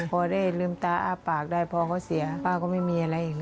พอได้ลืมตาอ้าปากได้พอเขาเสียป้าก็ไม่มีอะไรอย่างนี้